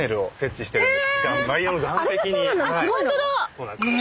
そうなんです。